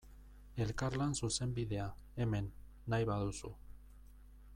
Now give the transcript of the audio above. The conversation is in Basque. Elkarlan zuzenbidea, hemen, nahi baduzu.